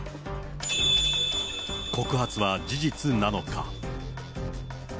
告発は事実なのか。